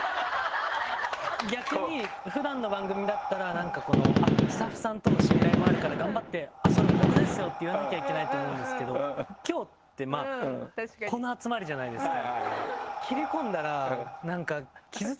逆に普段の番組だったらなんかこのスタッフさんとの信頼もあるから頑張って「それ僕ですよ！」って言わなきゃいけないと思うんですけど今日ってこの集まりじゃないですか。